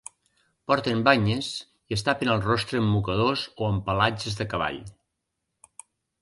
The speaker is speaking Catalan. Porten banyes i es tapen el rostre amb mocadors o amb pelatges de cavall.